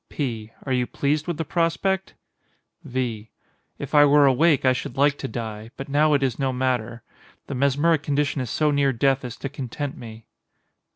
P. Are you pleased with the prospect? V. If I were awake I should like to die, but now it is no matter. The mesmeric condition is so near death as to content me.